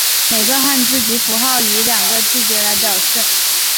每个汉字及符号以两个字节来表示。